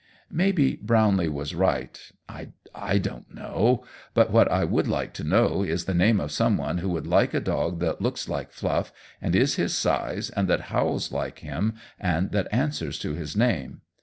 Maybe Brownlee was right. I don't know. But what I would like to know is the name of some one who would like a dog that looks like Fluff, and is his size, and that howls like him and that answers to his name.